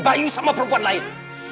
bayu sama perempuan lain